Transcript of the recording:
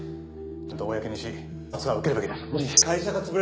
ちゃんと公にし罰は受けるべきだ。